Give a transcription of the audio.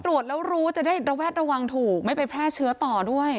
ตรวจแล้วรู้จะได้ระแวดระวังถูกไม่ไปแพร่เชื้อต่อด้วย